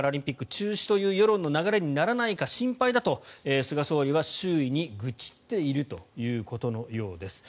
中止という世論の流れにならないか心配だと菅総理は周囲に愚痴っているということのようです。